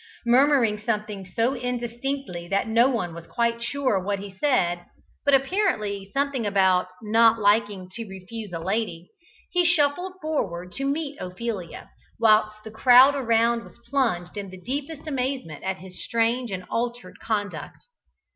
Murmuring something so indistinctly that no one was quite sure what he said, but apparently something about "not liking to refuse a lady," he shuffled forward to meet Ophelia, whilst the crowd around was plunged in the deepest amazement at his strange and altered conduct.